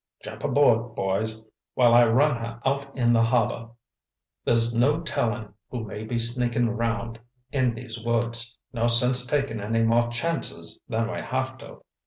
"Jump aboard, boys, while I run her out in the harbor. There's no telling who may be sneakin' 'round in these woods. No sense takin' any more chances than we have to."